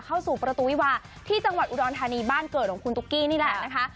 เข้าสู่ประตูวิวาที่จังหวัดอุดรธานีบ้านเกิดของคุณตุ๊กกี้นี่แหละนะคะ